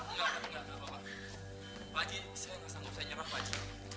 pak aji saya gak sanggup saya nyerah pak aji